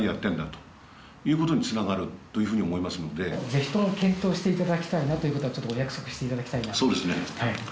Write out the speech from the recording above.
ぜひとも検討していただきたいなということはお約束していただきたい。